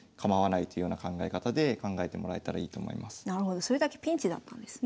なるほどそれだけピンチだったんですね。